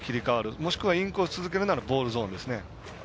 もしくはインコース続けるならボールゾーンです。